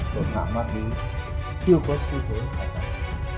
động hạ bát túy chưa có suy thế khả sản